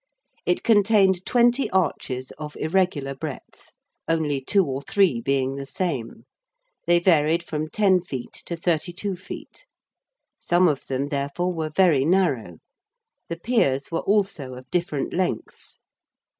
It contained twenty arches of irregular breadth: only two or three being the same: they varied from 10 feet to 32 feet: some of them therefore were very narrow: the piers were also of different lengths.